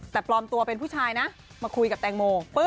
แต่ปลอมตัวเป็นผู้ชายนะมาคุยกับแตงโม